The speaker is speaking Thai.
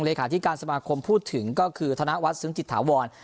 เลขาธิการสมาคมพูดถึงก็คือธนวัฒนซึ้งจิตถาวร